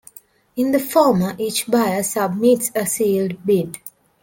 In the former each buyer submits a sealed bid.